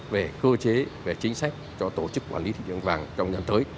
về cơ chế về chính sách cho tổ chức quản lý thị trường vàng trong nhà thới